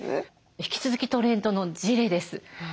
引き続きトレンドのジレです。